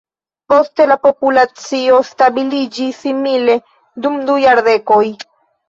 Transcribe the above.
Poste la populacio stabiliĝis simile dum du jardekoj.